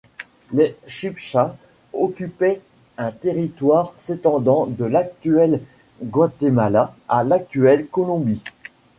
Les Chibchas occupaient un territoire s'étendant de l'actuel Guatemala à l'actuelle Colombie.